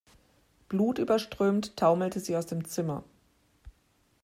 Blutüberströmt taumelte sie aus dem Zimmer.